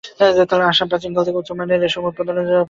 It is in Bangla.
আসাম প্রাচীন কাল থেকেই উচ্চমানের রেশম উৎপাদনের জন্য সুপরিচিত ছিল।